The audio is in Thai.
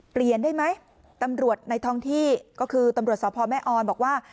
เปลี่ยนได้ไหมตำรวจในท้องที่ก็คือตำรวจสพแม่ออนบอกว่า